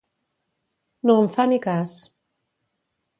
No em fa ni cas.